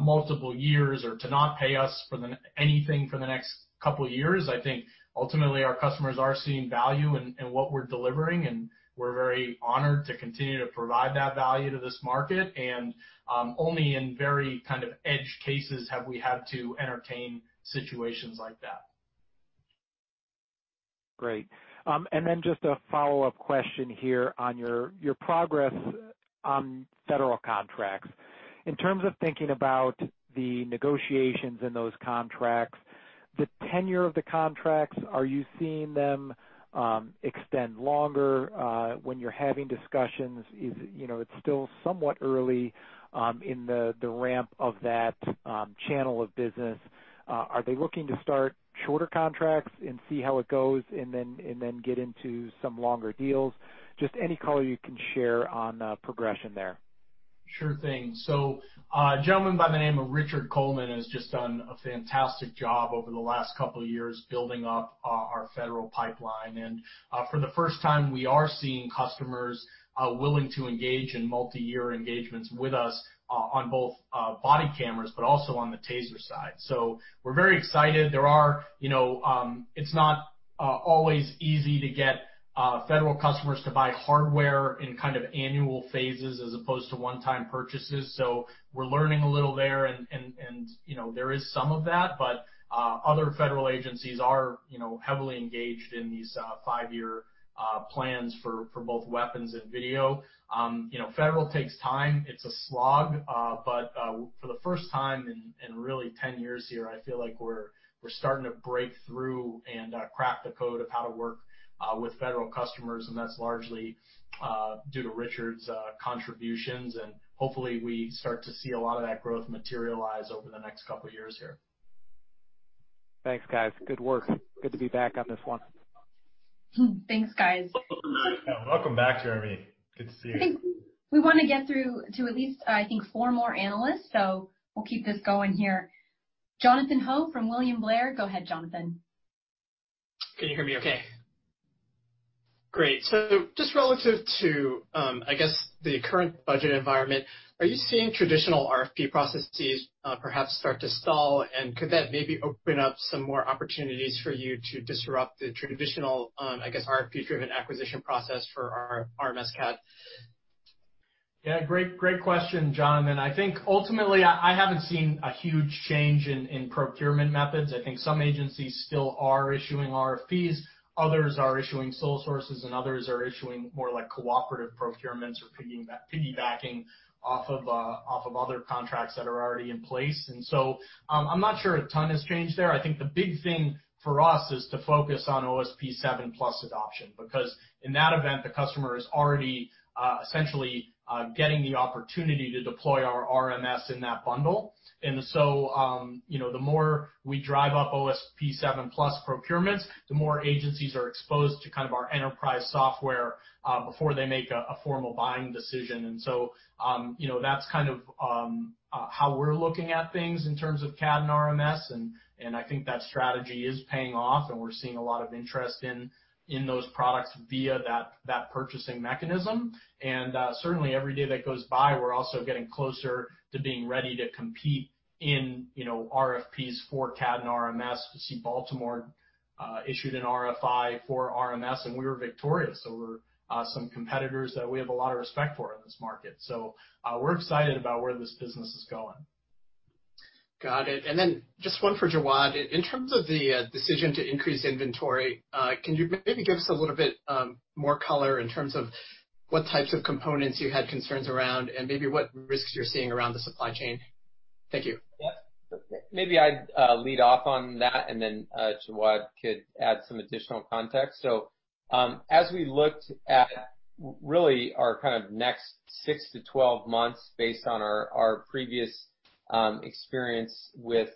multiple years or to not pay us anything for the next couple of years. I think ultimately our customers are seeing value in what we're delivering, and we're very honored to continue to provide that value to this market. Only in very kind of edge cases have we had to entertain situations like that. Great. Just a follow-up question here on your progress on federal contracts. In terms of thinking about the negotiations in those contracts, the tenure of the contracts, are you seeing them extend longer when you're having discussions? It's still somewhat early in the ramp of that channel of business. Are they looking to start shorter contracts and see how it goes, and then get into some longer deals? Just any color you can share on the progression there. Sure thing. A gentleman by the name of Richard Coleman has just done a fantastic job over the last couple of years building up our federal pipeline. For the first time, we are seeing customers willing to engage in multi-year engagements with us on both body cameras, but also on the TASER side. We're very excited. It's not always easy to get federal customers to buy hardware in kind of annual phases as opposed to one-time purchases, so we're learning a little there, and there is some of that But other federal agencies are heavily engaged in these five-year plans for both weapons and video. Federal takes time. It's a slog. For the first time in really 10 years here, I feel like we're starting to break through and crack the code of how to work with federal customers, and that's largely due to Richard's contributions. Hopefully we start to see a lot of that growth materialize over the next couple of years here. Thanks, guys. Good work. Good to be back on this one. Thanks, guys. Welcome back, Jeremy. Good to see you. I think we want to get through to at least, I think, four more analysts. We'll keep this going here. Jonathan Ho from William Blair. Go ahead, Jonathan. Can you hear me okay? Great. Just relative to, I guess, the current budget environment, are you seeing traditional RFP processes perhaps start to stall? Could that maybe open up some more opportunities for you to disrupt the traditional, I guess, RFP-driven acquisition process for RMS CAD? Great question, Jonathan. I think ultimately, I haven't seen a huge change in procurement methods. I think some agencies still are issuing RFPs, others are issuing sole sources, and others are issuing more cooperative procurements or piggybacking off of other contracts that are already in place. I'm not sure a ton has changed there. I think the big thing for us is to focus on OSP 7+ adoption, because in that event, the customer is already essentially getting the opportunity to deploy our RMS in that bundle. The more we drive up OSP 7+ procurements, the more agencies are exposed to kind of our enterprise software before they make a formal buying decision. That's kind of how we're looking at things in terms of CAD and RMS, and I think that strategy is paying off and we're seeing a lot of interest in those products via that purchasing mechanism. Certainly, every day that goes by, we're also getting closer to being ready to compete in RFPs for CAD and RMS. We see Baltimore issued an RFI for RMS, and we were victorious over some competitors that we have a lot of respect for in this market. We're excited about where this business is going. Got it. Just one for Jawad. In terms of the decision to increase inventory, can you maybe give us a little bit more color in terms of what types of components you had concerns around, and maybe what risks you're seeing around the supply chain? Thank you. Yeah. Maybe I'd lead off on that and then Jawad could add some additional context. As we looked at really our kind of next six to 12 months based on our previous experience with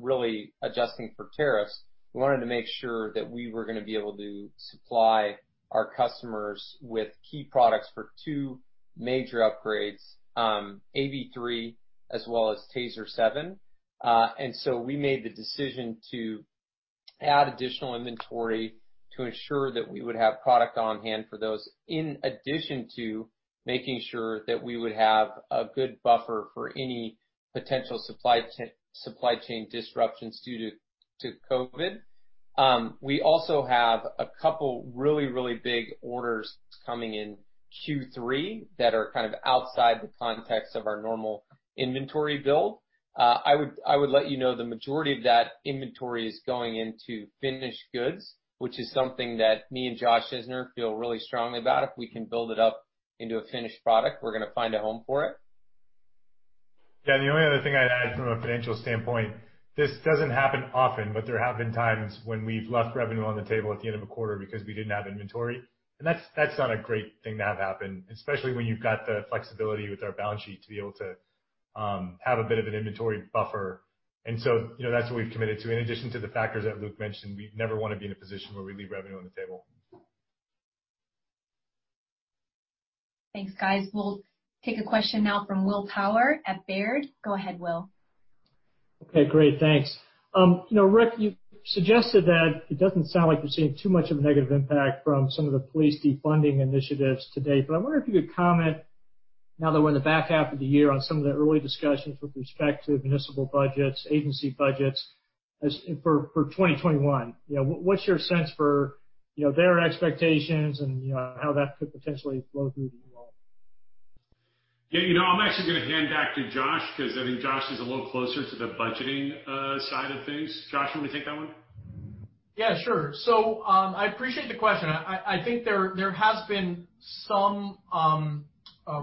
really adjusting for tariffs, we wanted to make sure that we were going to be able to supply our customers with key products for two major upgrades, AB3 as well as TASER 7. We made the decision to add additional inventory to ensure that we would have product on-hand for those, in addition to making sure that we would have a good buffer for any potential supply chain disruptions due to COVID. We also have a couple of really big orders coming in Q3 that are kind of outside the context of our normal inventory build. I would let you know the majority of that inventory is going into finished goods, which is something that me and Josh Isner feel really strongly about. If we can build it up into a finished product, we're going to find a home for it. Thanks, guys. We'll take a question now from Will Power at Baird. Go ahead, Will. Okay, great. Thanks. Rick, you suggested that it doesn't sound like you're seeing too much of a negative impact from some of the police defunding initiatives to date. I wonder if you could comment, now that we're in the back half of the year, on some of the early discussions with respect to municipal budgets, agency budgets, for 2021. What's your sense for their expectations and how that could potentially flow through to you all? Yeah. I'm actually going to hand back to Josh because I think Josh is a little closer to the budgeting side of things. Josh, you want me to take that one? Yeah, sure. I appreciate the question. I think there has been some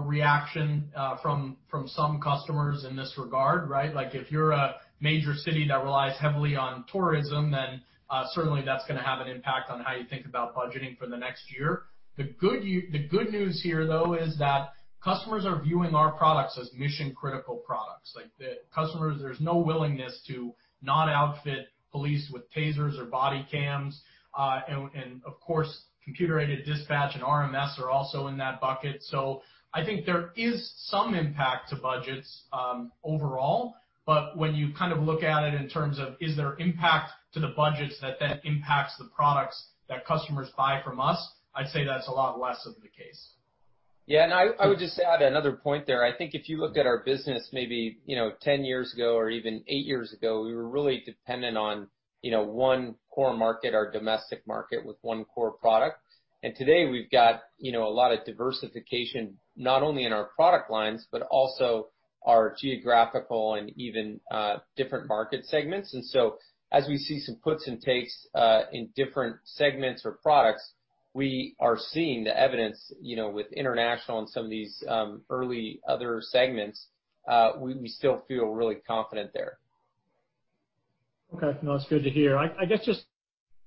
reaction from some customers in this regard, right? If you're a major city that relies heavily on tourism, then certainly that's going to have an impact on how you think about budgeting for the next year. The good news here, though, is that customers are viewing our products as mission-critical products. Like the customers, there's no willingness to not outfit police with TASERs or body cams. Of course, computer-aided dispatch and RMS are also in that bucket. I think there is some impact to budgets overall. When you kind of look at it in terms of, is there impact to the budgets that then impacts the products that customers buy from us, I'd say that's a lot less of the case. Yeah. I would just add another point there. I think if you looked at our business maybe 10 years ago or even eight years ago, we were really dependent on one core market, our domestic market, with one core product. Today we've got a lot of diversification, not only in our product lines, but also our geographical and even different market segments. As we see some puts and takes in different segments or products, we are seeing the evidence with international and some of these early other segments, we still feel really confident there. Okay. No, that's good to hear. I guess just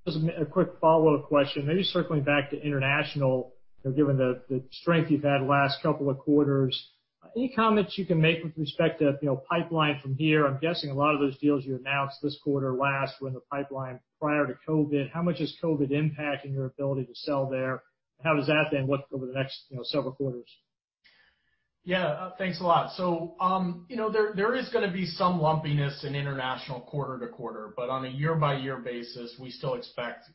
a quick follow-up question, maybe circling back to international, given the strength you've had last couple of quarters. Any comments you can make with respect to pipeline from here? I'm guessing a lot of those deals you announced this quarter last were in the pipeline prior to COVID. How much is COVID impacting your ability to sell there? How does that then look over the next several quarters? Yeah. Thanks a lot. There is going to be some lumpiness in international quarter to quarter, but on a year-by-year basis, we still expect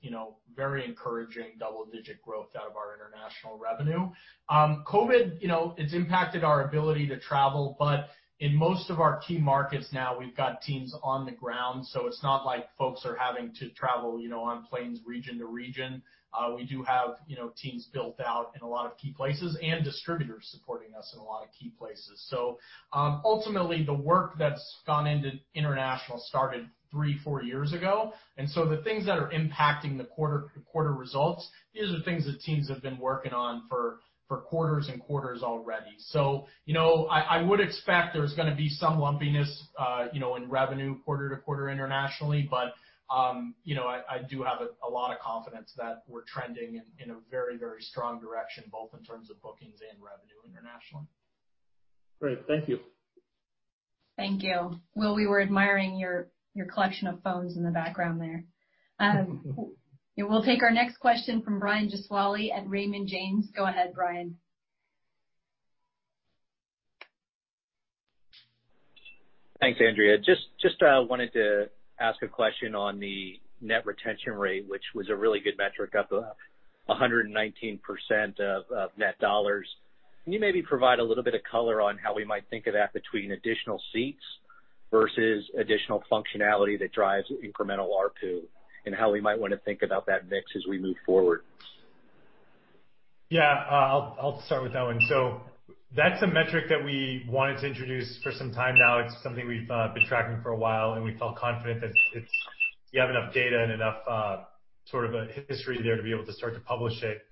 very encouraging double-digit growth out of our international revenue. COVID, it's impacted our ability to travel, but in most of our key markets now we've got teams on the ground, so it's not like folks are having to travel on planes region to region. We do have teams built out in a lot of key places and distributors supporting us in a lot of key places. Ultimately the work that's gone into international started three, four years ago, and so the things that are impacting the quarter results, these are things that teams have been working on for quarters and quarters already. I would expect there's going to be some lumpiness in revenue quarter-to-quarter internationally, but I do have a lot of confidence that we're trending in a very strong direction, both in terms of bookings and revenue internationally. Great. Thank you. Thank you. Will, we were admiring your collection of phones in the background there. We'll take our next question from Brian Gesuale at Raymond James. Go ahead, Brian. Thanks, Andrea. Wanted to ask a question on the net retention rate, which was a really good metric, up 119% of net dollars. Can you maybe provide a little bit of color on how we might think of that between additional seats versus additional functionality that drives incremental ARPU, and how we might want to think about that mix as we move forward? Yeah. I'll start with that one. That's a metric that we wanted to introduce for some time now. It's something we've been tracking for a while, and we felt confident that you have enough data and enough sort of a history there to be able to start to publish it.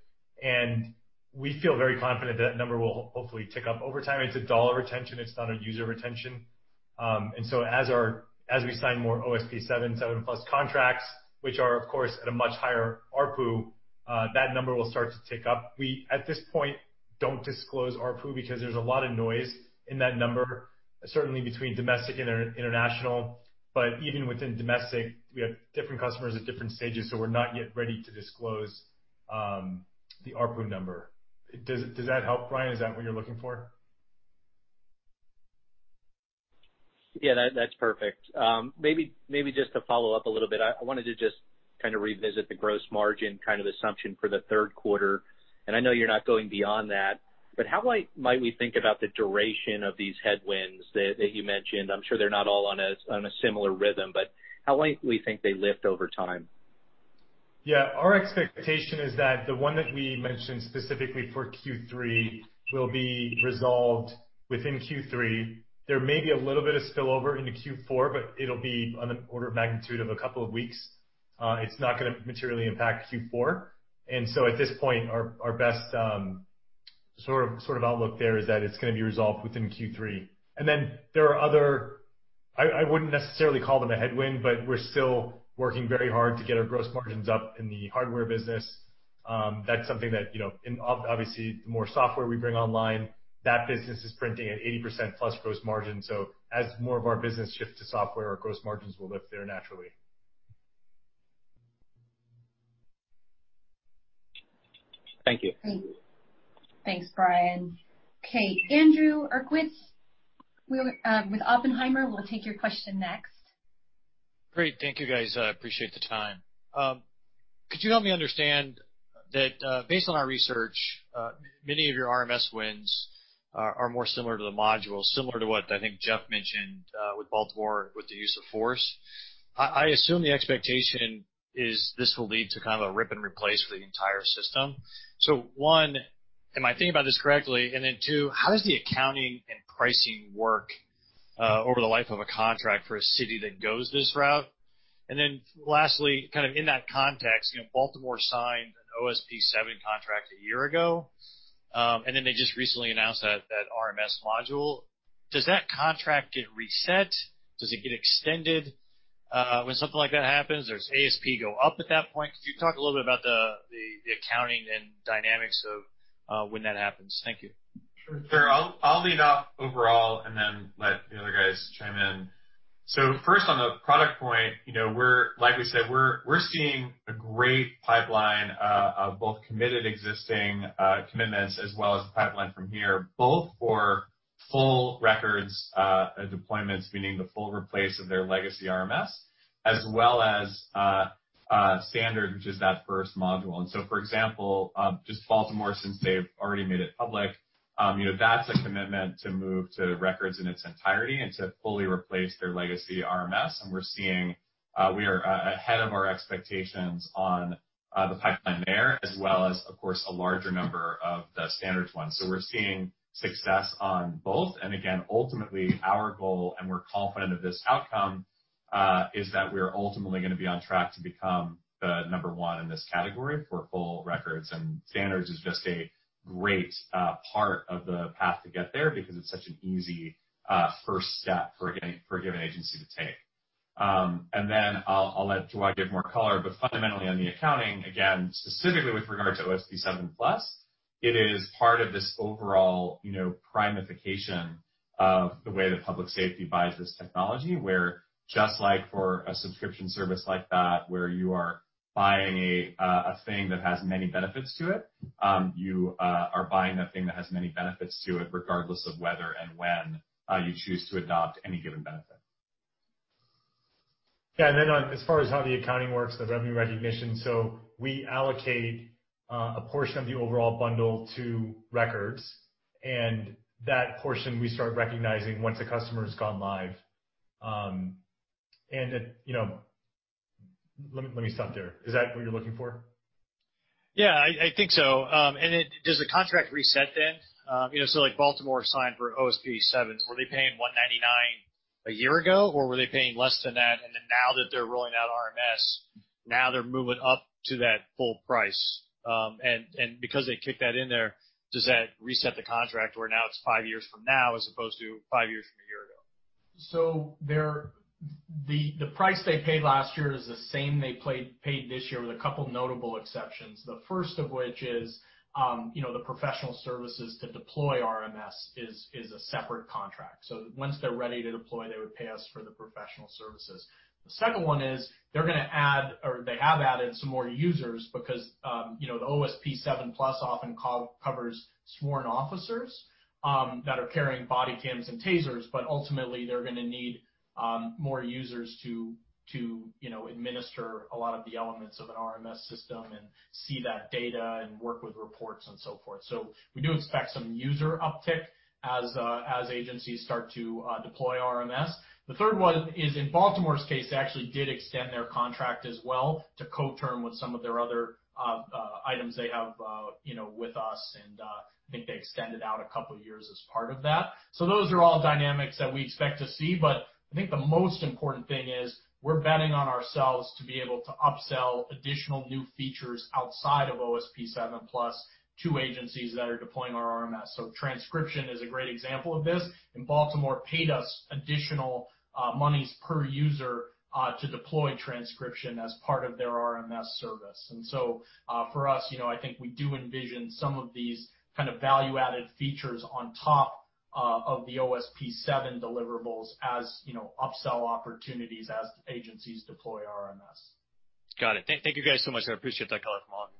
We feel very confident that number will hopefully tick up over time. It's a dollar retention, it's not a user retention. As we sign more OSP 7+ contracts, which are of course, at a much higher ARPU, that number will start to tick up. We, at this point, don't disclose ARPU because there's a lot of noise in that number, certainly between domestic and international. Even within domestic, we have different customers at different stages, so we're not yet ready to disclose the ARPU number. Does that help, Brian? Is that what you're looking for? Yeah. That's perfect. Maybe just to follow up a little bit, I wanted to just kind of revisit the gross margin kind of assumption for the third quarter. I know you're not going beyond that, but how might we think about the duration of these headwinds that you mentioned? I'm sure they're not all on a similar rhythm, but how might we think they lift over time? Yeah. Our expectation is that the one that we mentioned specifically for Q3 will be resolved within Q3. There may be a little bit of spillover into Q4, but it'll be on the order of magnitude of a couple of weeks. It's not going to materially impact Q4. At this point, our best sort of outlook there is that it's going to be resolved within Q3. There are other, I wouldn't necessarily call them a headwind, but we're still working very hard to get our gross margins up in the hardware business. That's something that, obviously the more software we bring online, that business is printing at 80% plus gross margin. As more of our business shifts to software, our gross margins will lift there naturally. Thank you. Thanks, Brian. Okay, Andrew Uerkwitz with Oppenheimer, we'll take your question next. Great. Thank you, guys. I appreciate the time. Could you help me understand that, based on our research, many of your RMS wins are more similar to the module, similar to what I think Jeff mentioned, with Baltimore, with the use of force. I assume the expectation is this will lead to kind of a rip and replace for the entire system. One, am I thinking about this correctly? Two, how does the accounting and pricing work over the life of a contract for a city that goes this route. Lastly, in that context, Baltimore signed an OSP 7 contract a year ago, and then they just recently announced that RMS module. Does that contract get reset? Does it get extended when something like that happens? Does ASP go up at that point? Could you talk a little bit about the accounting and dynamics of when that happens? Thank you. Sure. I'll lead off overall and then let the other guys chime in. First, on the product point, like we said, we're seeing a great pipeline of both committed existing commitments as well as pipeline from here, both for full Axon Records deployments, meaning the full replace of their legacy RMS, as well as Axon Standards, which is that first module. For example, just Baltimore, since they've already made it public, that's a commitment to move to Axon Records in its entirety and to fully replace their legacy RMS. We are ahead of our expectations on the pipeline there, as well as, of course, a larger number of the Axon Standards one. We're seeing success on both. Ultimately, our goal, and we're confident of this outcome, is that we're ultimately going to be on track to become the number one in this category for full Axon Records, and Axon Standards is just a great part of the path to get there because it's such an easy firts step for a given agency to take. I'll let Jawad give more color. Fundamentally, on the accounting, again, specifically with regard to OSP 7+, it is part of this overall prime-ification of the way that public safety buys this technology, where just like for a subscription service like that where you are buying a thing that has many benefits to it, regardless of whether and when you choose to adopt any given benefit. Yeah. As far as how the accounting works, the revenue recognition, we allocate a portion of the overall bundle to records. That portion we start recognizing once a customer has gone live. Let me stop there. Is that what you're looking for? Yeah, I think so. Does the contract reset then? Baltimore signed for OSP 7, were they paying $199 a year ago, or were they paying less than that, then now that they're rolling out RMS, now they're moving up to that full price? Because they kicked that in there, does that reset the contract where now it's five years from now as opposed to five years from a year ago? The price they paid last year is the same they paid this year with a couple notable exceptions. The first of which is the professional services to deploy RMS is a separate contract. Once they're ready to deploy, they would pay us for the professional services. The second one is they're going to add, or they have added some more users because the OSP 7+ often covers sworn officers that are carrying body cams and TASERs, but ultimately they're going to need more users to administer a lot of the elements of an RMS system and see that data and work with reports and so forth. We do expect some user uptick as agencies start to deploy RMS. The third one is in Baltimore's case, they actually did extend their contract as well to co-term with some of their other items they have with us, and I think they extended out a couple of years as part of that. Those are all dynamics that we expect to see, but I think the most important thing is we're betting on ourselves to be able to upsell additional new features outside of OSP 7+ to agencies that are deploying our RMS. Transcription is a great example of this, and Baltimore paid us additional monies per user to deploy transcription as part of their RMS service. For us, I think we do envision some of these kind of value-added features on top of the OSP 7 deliverables as upsell opportunities as agencies deploy RMS. Got it. Thank you guys so much. I appreciate that color from all of you.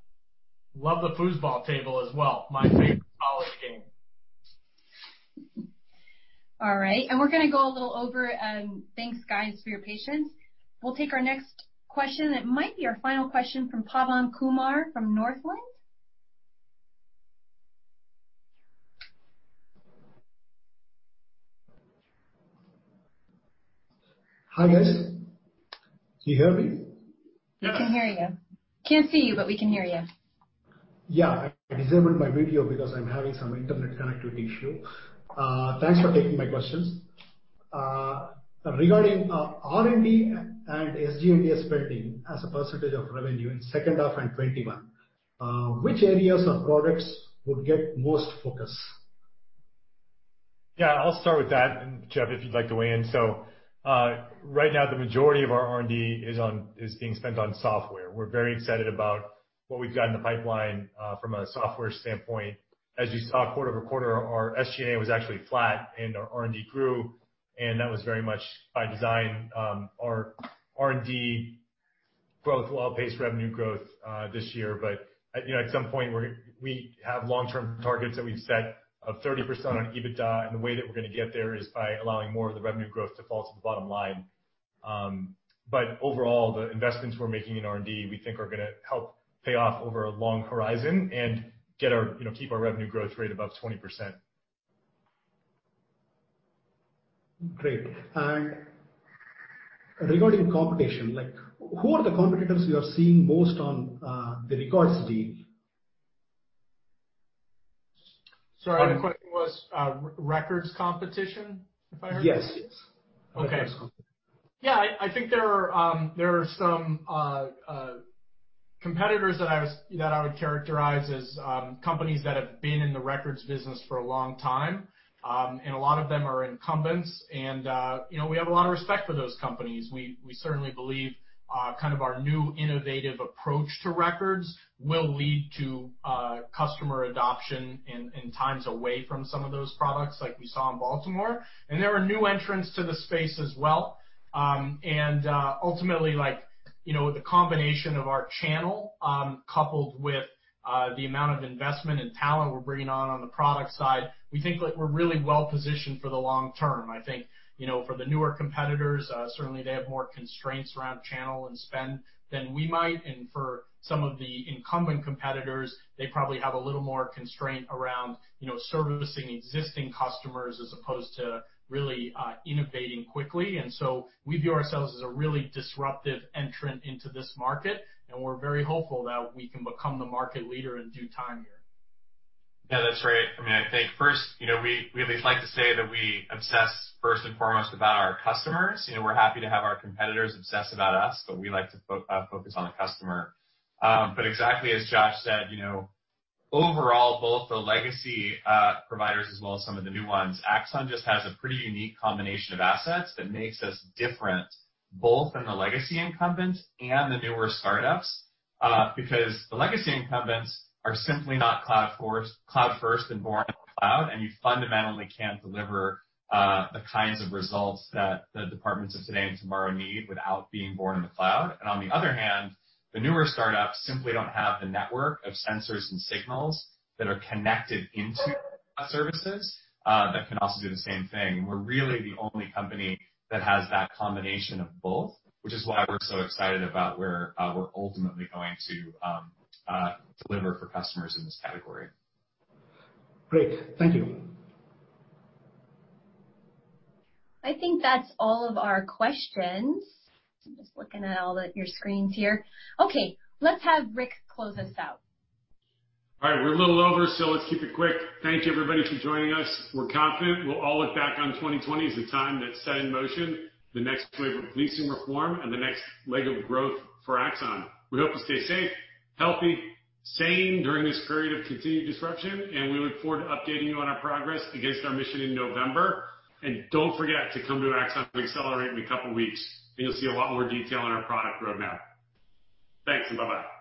Love the foosball table as well. My favorite college game. All right. We're going to go a little over. Thanks, guys, for your patience. We'll take our next question. It might be our final question from Pavan Kumar from Northland. Hi, guys. Can you hear me? We can hear you. Can't see you, but we can hear you. Yeah. I disabled my video because I'm having some internet connectivity issue. Thanks for taking my questions. Regarding R&D and SG&A spending as a percentage of revenue in second half and 2021, which areas of products would get most focus? Yeah, I'll start with that, and Jeff, if you'd like to weigh in. Right now, the majority of our R&D is being spent on software. We're very excited about what we've got in the pipeline from a software standpoint. As you saw quarter-over-quarter, our SG&A was actually flat and our R&D grew, and that was very much by design. Our R&D growth will outpace revenue growth this year. At some point, we have long-term targets that we've set of 30% on EBITDA, and the way that we're going to get there is by allowing more of the revenue growth to fall to the bottom line. Overall, the investments we're making in R&D, we think are going to help pay off over a long horizon and keep our revenue growth rate above 20%. Great. Regarding competition, who are the competitors you are seeing most on the Records deal? Sorry, the question was Records competition, if I heard you? Yes. Okay. Yeah, I think there are some competitors that I would characterize as companies that have been in the records business for a long time. A lot of them are incumbents and we have a lot of respect for those companies. We certainly believe our new innovative approach to records will lead to customer adoption in times away from some of those products, like we saw in Baltimore. There are new entrants to the space as well. Ultimately, with the combination of our channel, coupled with the amount of investment and talent we're bringing on the product side, we think we're really well-positioned for the long term. I think for the newer competitors, certainly they have more constraints around channel and spend than we might. For some of the incumbent competitors, they probably have a little more constraint around servicing existing customers as opposed to really innovating quickly. We view ourselves as a really disruptive entrant into this market, and we're very hopeful that we can become the market leader in due time here. Yeah, that's right. I think first, we at least like to say that we obsess first and foremost about our customers. We're happy to have our competitors obsess about us, but we like to focus on the customer. Exactly as Josh said, overall, both the legacy providers as well as some of the new ones, Axon just has a pretty unique combination of assets that makes us different both in the legacy incumbents and the newer startups. The legacy incumbents are simply not cloud-first and born in the cloud, and you fundamentally can't deliver the kinds of results that the departments of today and tomorrow need without being born in the cloud. On the other hand, the newer startups simply don't have the network of sensors and signals that are connected into cloud services that can also do the same thing. We're really the only company that has that combination of both, which is why we're so excited about where we're ultimately going to deliver for customers in this category. Great. Thank you. I think that's all of our questions. I'm just looking at all of your screens here. Okay, let's have Rick close us out. All right, we're a little over. Let's keep it quick. Thank you everybody for joining us. We're confident we'll all look back on 2020 as the time that set in motion the next wave of policing reform and the next leg of growth for Axon. We hope you stay safe, healthy, sane during this period of continued disruption. We look forward to updating you on our progress against our mission in November. Don't forget to come to Axon Accelerate in a couple of weeks. You'll see a lot more detail on our product roadmap. Thanks. Bye-bye.